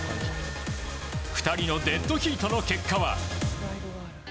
２人のデッドヒートの結果は。